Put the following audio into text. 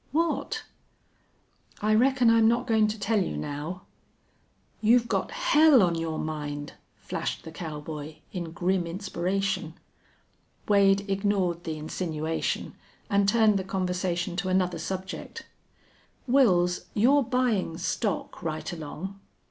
"What?" "I reckon I'm not goin' to tell you now." "You've got hell on your mind!" flashed the cowboy, in grim inspiration. Wade ignored the insinuation and turned the conversation to another subject. "Wils, you're buyin' stock right along?"